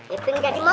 iping jadi mau